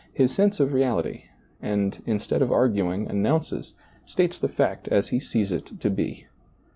His sense of reality, and, instead of arguing, announces, states the fact as He sees it to be.